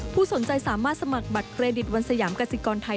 ผู้สนใจสามารถสมัครบัตรเครดิตวันสยามกสิกรไทย